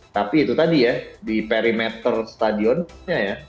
tapi itu tadi ya di perimeter stadionnya ya